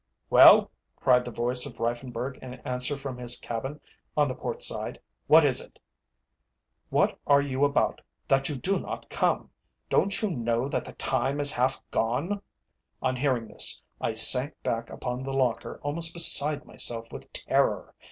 "Well?" cried the voice of Reiffenburg in answer from his cabin on the port side; "what is it?" "What are you about that you do not come? Don't you know that the time is half gone?" On hearing this, I sank back upon the locker almost beside myself with terror.